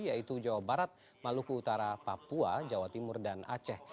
yaitu jawa barat maluku utara papua jawa timur dan aceh